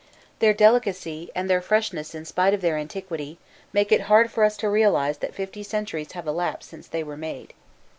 Their delicacy, and their freshness in spite of their antiquity, make it hard for us to realize that fifty centuries have elapsed since they were made.